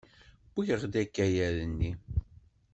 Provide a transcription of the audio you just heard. Wwiɣ-d akayad-nni!